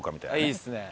いいですね。